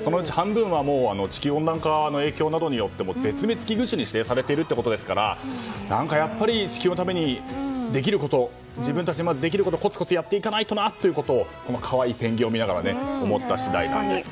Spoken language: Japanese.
そのうち半分は地球温暖化の影響などで絶滅危惧種に指定されているということですから地球のために自分たちにできることをコツコツやっていかないとなとこの可愛いペンギンを見ながら思った次第です。